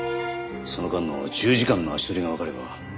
その間の１０時間の足取りがわかれば。